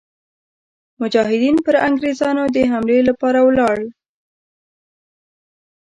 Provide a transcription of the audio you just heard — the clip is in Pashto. مجاهدین پر انګرېزانو د حملې لپاره ولاړل.